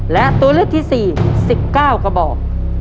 และตัวเลือกที่๔๑๙กระบอก